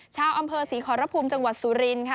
ชาวอำเภอศรีขอรภูมิจังหวัดสุรินค่ะ